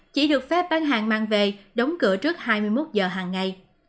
chỉ được phép bán hàng mang về đóng cửa trước hai mươi một giờ hàng ngày